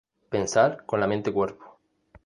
Pensar con la mente-cuerpo".